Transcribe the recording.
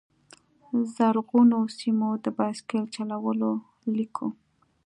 زرغونو سیمو، د بایسکل چلولو لیکو